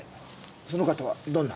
その方はどんな？